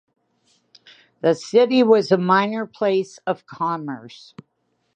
The city was a minor place of commerce.